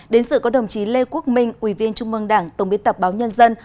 đến sự có đồng chí lê quốc minh ủy viên trung mương đảng tổng biên tập báo nhân dân